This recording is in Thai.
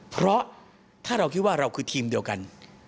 เพราะถ้าเราคิดว่าเราคือทีมเดียวกัน